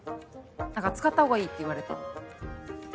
何か使った方がいいって言われて。